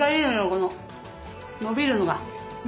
こののびるのが。